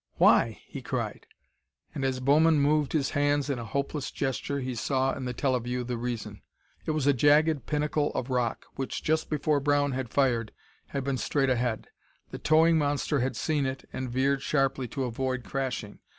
"Why?" he cried. And, as Bowman moved his hands in a hopeless gesture, he saw in the teleview the reason. It was a jagged pinnacle of rock, which, just before Brown had fired, had been straight ahead. The towing monster had seen it and veered sharply to avoid crashing.